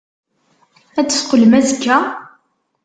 Ad d-teqqlem azekka?